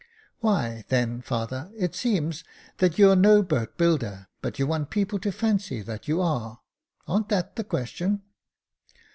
"Why, then, father, it seems, that you're no boat builder, but you want people to fancy that you are — a'n't that the question